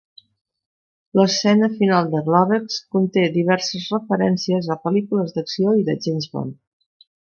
L'escena final de Globex conté diverses referències a pel·lícules d'acció i de James Bond.